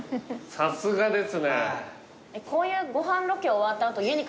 ［さすがです］